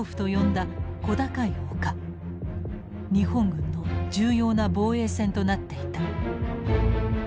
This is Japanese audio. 日本軍の重要な防衛線となっていた。